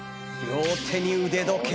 両手に腕時計。